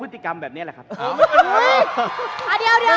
คุณจิลายุเขาบอกว่ามันควรทำงานร่วมกัน